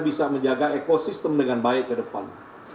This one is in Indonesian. bisa menjaga ekosistem dengan baik ke depan